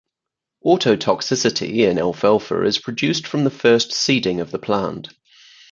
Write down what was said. Autotoxicity in alfalfa is produced from the first seeding of the plant.